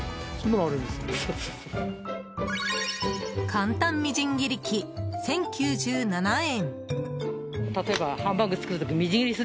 簡単みじん切り器、１０９７円。